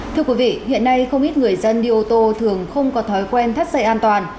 thưa quý vị hiện nay không ít người dân đi ô tô thường không có thói quen thắt dây an toàn